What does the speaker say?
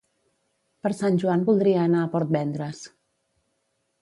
Per Sant Joan voldria anar a Port Vendres